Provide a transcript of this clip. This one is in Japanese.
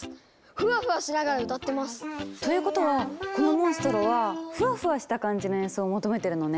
フワフワしながら歌ってます！ということはこのモンストロはフワフワした感じの演奏を求めてるのね。